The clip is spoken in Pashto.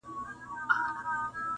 هم د زرکو هم د سوی په ځان بلا وو -